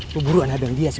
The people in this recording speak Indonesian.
keburuan hadang dia sih